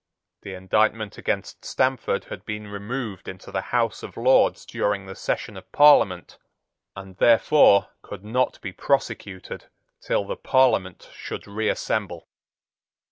The indictment against Stamford had been removed into the House of Lords during the session of Parliament, and therefore could not be prosecuted till the Parliament should reassemble.